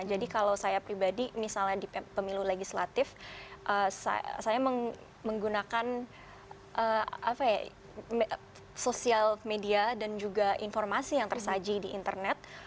jadi kalau saya pribadi misalnya di pemilu legislatif saya menggunakan sosial media dan juga informasi yang tersaji di internet